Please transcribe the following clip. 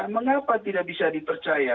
mengapa tidak bisa dipercaya